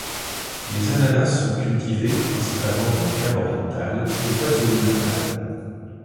Les ananas sont cultivés, principalement dans le Cap-Oriental et le KwaZulu-Natal.